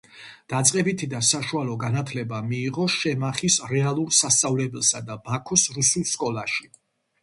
დაწყებითი და საშუალო განათლება მიიღო შემახის რეალურ სასწავლებელსა და ბაქოს რუსულ სკოლაში.